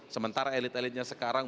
sementara elit elitnya sekarang